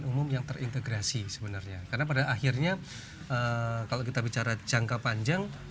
umum yang terintegrasi sebenarnya karena pada akhirnya kalau kita bicara jangka panjang